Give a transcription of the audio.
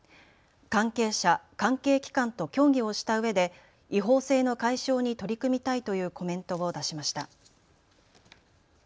関係者、関係機関と協議をしたうえで違法性の解消に取り組みたいというコメントを出しました。